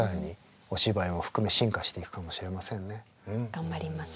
頑張ります。